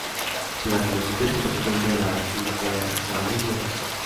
Durante los sucesos el Presidente de la República era Raúl Leoni.